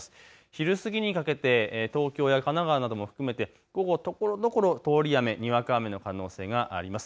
昼過ぎにかけて東京や神奈川も含めてところどころにわか雨、通り雨の可能性があります。